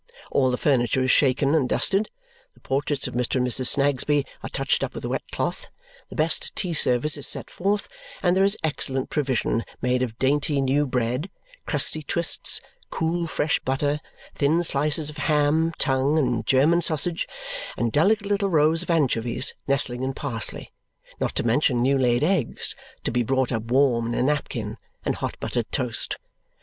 All the furniture is shaken and dusted, the portraits of Mr. and Mrs. Snagsby are touched up with a wet cloth, the best tea service is set forth, and there is excellent provision made of dainty new bread, crusty twists, cool fresh butter, thin slices of ham, tongue, and German sausage, and delicate little rows of anchovies nestling in parsley, not to mention new laid eggs, to be brought up warm in a napkin, and hot buttered toast.